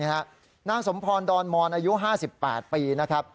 หน้าสมพรณ์ดอลมอนอายุ๕๘ปี